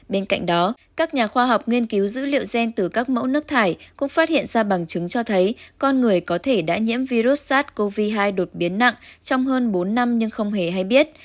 bên cạnh đó các nhà khoa học nghiên cứu dữ liệu gen từ các mẫu nước thải cũng phát hiện ra bằng chứng cho thấy con người có thể đã nhiễm virus sars cov hai đột biến nặng trong hơn bốn năm nhưng không hề hay biết